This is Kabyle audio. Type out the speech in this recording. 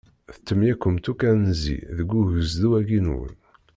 Tettemyakemt akk anzi deg ugezdu-agi-nwen.